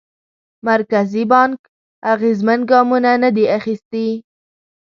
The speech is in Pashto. مرکزي بانک اغېزمن ګامونه ندي اخیستي.